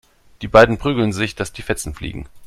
Die beiden prügeln sich, dass die Fetzen fliegen.